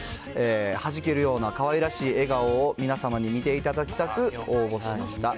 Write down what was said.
弾けるようなかわいらしい笑顔を皆様に見ていただきたく応募しました。